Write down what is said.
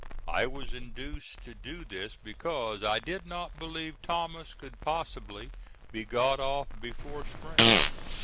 I was induced to do this because I did not believe Thomas could possibly be got off before spring.